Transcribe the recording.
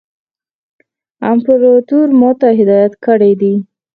امپراطور ما ته هدایت کړی دی.